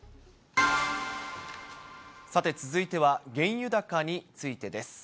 さて続いては、原油高についてです。